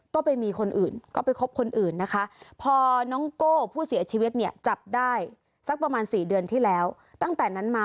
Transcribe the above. ก็ไปมีคนอื่นก็ไปคบคนอื่นนะคะ